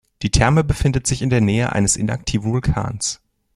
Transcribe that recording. Die Therme befindet sich in der Nähe eines inaktiven Vulkans.